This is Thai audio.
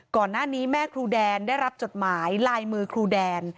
ก่อนหน้านี้แม่ครูแดนได้รับจดหมายลายมือครูแดน